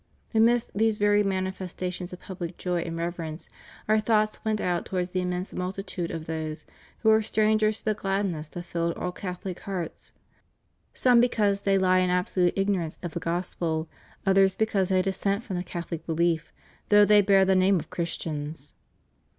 Amidst these very manifesta tions of public joy and reverence Our thoughts went out towards the immense multitude of those who are strangers to the gladness that filled all Cathohc hearts : some because they lie in absolute ignorance of the Gospel; others because they dissent from the Catholic belief, though they bear the name of Christians.